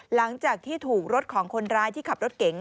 หลังจากที่ถูกรถของคนร้ายที่ขับรถเก๋ง